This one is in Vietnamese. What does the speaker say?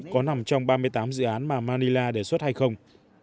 có nằm trong ba mươi tám dự án mà manila đề xuất hay không